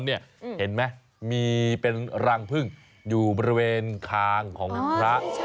เห็นไหมมีเป็นรังพึ่งอยู่บริเวณคางของพระ